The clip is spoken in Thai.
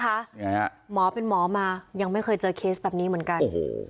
หมอเป็นหมอมายังไม่มีเคยเจอเคสแบบนี้เหมือนกัน